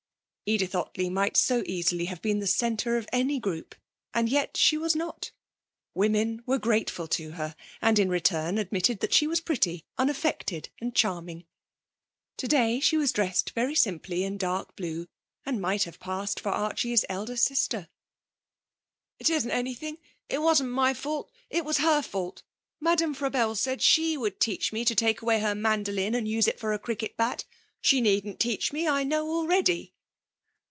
Edith Ottley might so easily have been the centre of any group, and yet she was not! Women were grateful to her, and in return admitted that she was pretty, unaffected and charming. Today she was dressed very simply in dark blue and might have passed for Archie's elder sister. 'It isn't anything. It wasn't my fault. It was her fault. Madame Frabelle said she would teach me to take away her mandolin and use it for a cricket bat. She needn't teach me; I know already.'